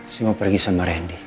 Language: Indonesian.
saya mau pergi sama randy